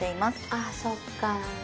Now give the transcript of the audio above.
あそっか。